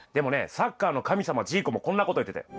サッカーの神様ジーコもこんなこと言ってたよ。